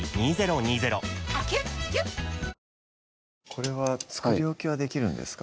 これは作り置きはできるんですか？